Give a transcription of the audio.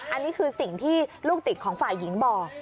อันนี้คือสิ่งที่ลูกติดของฝ่ายหญิงบอก